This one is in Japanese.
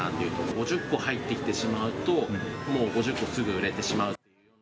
５０個入ってきてしまうと、もう５０個すぐ売れてしまう。